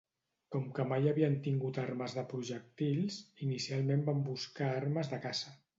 Com que mai havien tingut armes de projectils, inicialment van buscar armes de caça.